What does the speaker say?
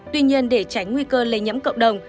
tuy nhiên để tránh nguy cơ lây nhiễm cơ